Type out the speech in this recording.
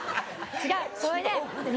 違うそれで「何？」